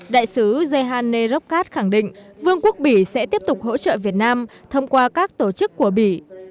đại sứ jeane rockkat khẳng định vương quốc bỉ sẽ tiếp tục hỗ trợ việt nam thông qua các tổ chức của bỉ